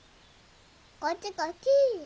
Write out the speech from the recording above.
こっちこっち。